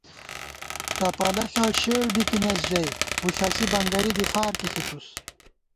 ٹپَلہ ݪہ شېڑ بِتَنئیس ژَئی، وُݪَسی بنگَرِی دی فارکی ݪِتُس